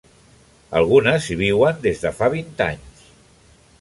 Algunes hi viuen des de fa vint anys.